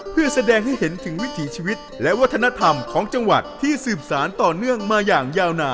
เพื่อแสดงให้เห็นถึงวิถีชีวิตและวัฒนธรรมของจังหวัดที่สืบสารต่อเนื่องมาอย่างยาวนาน